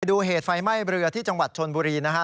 ไปดูเหตุไฟไม่เบลือที่จังหวัดชลบุรีนะครับ